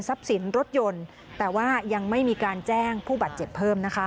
สินรถยนต์แต่ว่ายังไม่มีการแจ้งผู้บาดเจ็บเพิ่มนะคะ